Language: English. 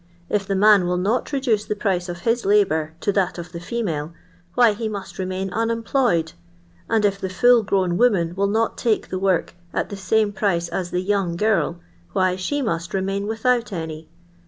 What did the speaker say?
If the man will not reduce the price of his labour to that of the female, why he )nust remain unemployed ; and if the full gr.)wn woman will not take the work at the pame piice as the young girl, why sl»e must remain without any.